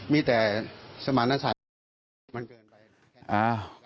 มีแต่สมาธินักศึกษามันเกินไป